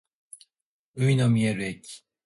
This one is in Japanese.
海の見える駅